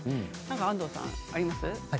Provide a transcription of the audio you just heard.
安藤さん、何かありますか？